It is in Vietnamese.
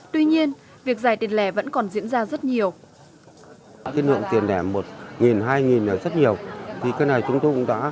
tuy nhiên việc giải tiền lẻ vẫn còn diễn ra rất nhiều